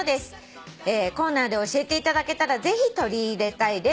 「コーナーで教えていただけたらぜひ取り入れたいです」